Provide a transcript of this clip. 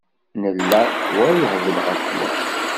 Nella wa yehbel ɣef wa.